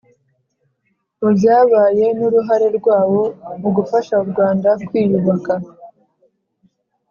mu byabaye n’uruhare rwawo mu gufasha u rwanda kwiyubaka.